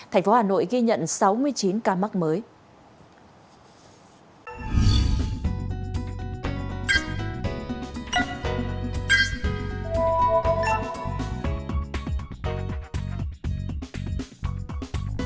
tp hcm ghi nhận sáu mươi chín ca mắc mới